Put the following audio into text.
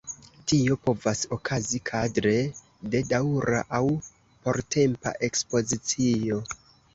Tio povas okazi kadre de daŭra aŭ portempa ekspozicio.